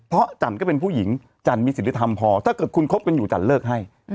เพราะจันก็เป็นผู้หญิงจันมีศิลธรรมพอถ้าเกิดคุณคบกันอยู่จันเลิกให้